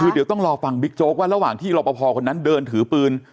คือเดี๋ยวต้องรอฟังบิ๊กโจ๊กว่าระหว่างที่รอปภคนนั้นเดินถือปืน